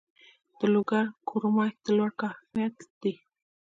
د لوګر کرومایټ د لوړ کیفیت دی